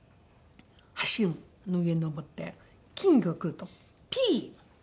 橋の上に上って金魚が来るとピッ！